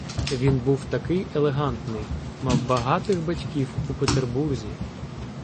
Він був такий елегантний, мав багатих батьків у Петербурзі.